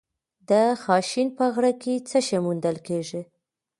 د خانشین په غره کې څه شی موندل کیږي؟